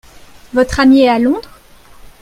Votre ami est à Londres ?